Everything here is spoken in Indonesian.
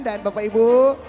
dan bapak ibu